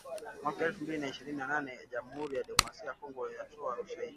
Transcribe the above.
mwaka elfu mbili na ishirini na nane jamuhuri ya demokrasia ya Kongo yatoa ushahidi